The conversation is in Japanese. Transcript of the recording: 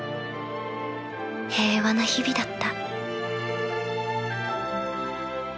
平和な日々だった。